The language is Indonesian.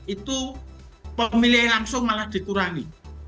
itu pemilihan langsung malah dikurangi